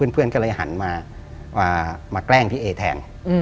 เพื่อนก็เลยหันมาแกล้งพี่เอแทน